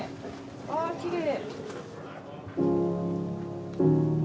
あきれい。